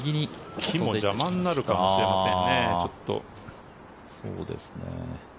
木が邪魔になるかもしれないですね。